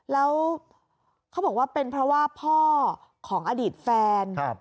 แล้วเขาบอกว่าเป็นเพราะว่าพ่อของอดีตแฟน